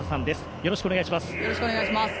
よろしくお願いします。